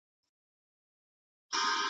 د خوړو مسمومیت د ژوند کیفیت راټیټوي.